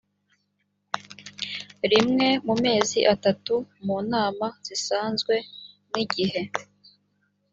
rimwe mu mezi atatu mu nama zisanzwe n igihe